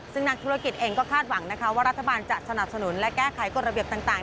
ซึ่งนักธุรกิจเองก็คาดหวังนะคะว่ารัฐบาลจะสนับสนุนและแก้ไขกฎระเบียบต่าง